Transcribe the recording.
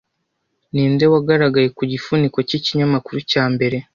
Ninde wagaragaye ku gifuniko cyikinyamakuru cya mbere